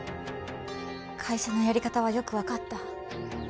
会社のやり方はよく分かった。